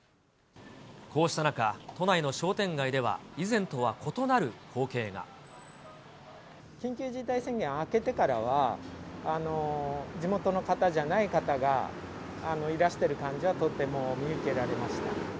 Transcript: こうした中、都内の商店街で緊急事態宣言明けてからは、地元の方じゃない方がいらしてる感じはとても見受けられました。